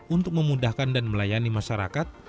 untuk memudahkan dan melayani masyarakat